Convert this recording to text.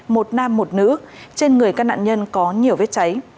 một nam một nữ trên người các nạn nhân có nhiều vết cháy